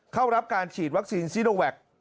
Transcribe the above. เข้ารับการฉีดวัคซีนซีโนแวค